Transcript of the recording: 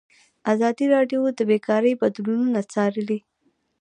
ازادي راډیو د بیکاري بدلونونه څارلي.